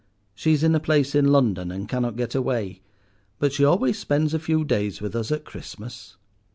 She is in a place in London, and cannot get away. But she always spends a few days with us at Christmas."